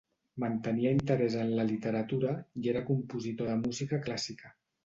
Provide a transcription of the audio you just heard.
Mantenia interès en la literatura i era un compositor de música clàssica.